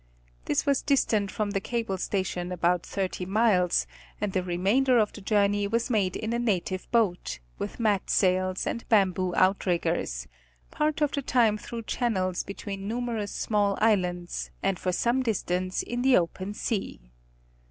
This was distant from the cable station about thirty miles, and the remainder of the journey was made in a native boat, with mat sails, and bam boo outriggers, part of the time through channels between nume rous small islands and for some distance in the open sea.